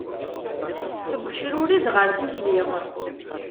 Seg ucrured ɣer tikli.